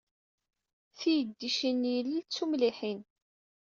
Tiydicin n yilel d tumliḥin.